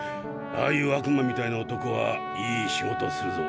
ああいう悪魔みたいな男はいい仕事するぞ。